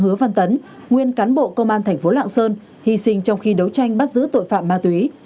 hứa văn tấn nguyên cán bộ công an thành phố lạng sơn hy sinh trong khi đấu tranh bắt giữ tội phạm ma túy